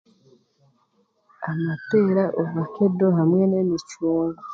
Amapeera, ovakedo hamwe n'emichungwa.